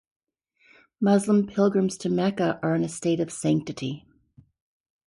Muslim pilgrims to Mecca are in a state of sanctity.